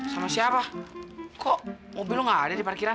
sama siapa kok mobil nggak ada di parkiran